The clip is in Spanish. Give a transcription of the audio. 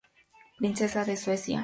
Princesa de Suecia.